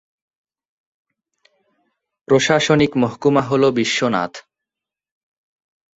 প্রশাসনিক মহকুমা হ'ল বিশ্বনাথ।